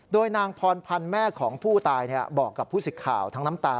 โดยนางพรพันธ์แม่ของผู้ตายบอกกับผู้สิทธิ์ข่าวทั้งน้ำตา